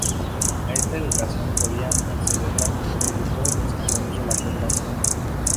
A esta educación podían acceder las mujeres de todos los sectores de la población.